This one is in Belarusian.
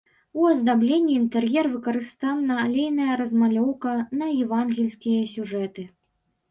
У аздабленні інтэр'ера выкарыстана алейная размалёўка на евангельскія сюжэты.